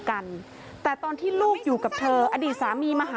อ่าอ่าอ่าอ่าอ่า